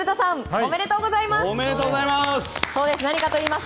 おめでとうございます！